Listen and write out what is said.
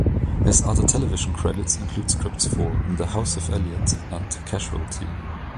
His other television credits include scripts for "The House of Eliott" and "Casualty".